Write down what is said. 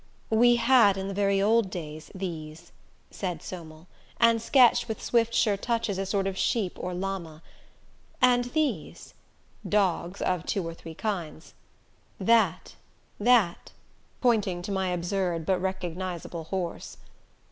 "We had, in the very old days, these," said Somel, and sketched with swift sure touches a sort of sheep or llama, "and these" dogs, of two or three kinds, "that that" pointing to my absurd but recognizable horse.